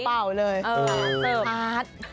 เปาเลยด๓๔๐๐๐อีก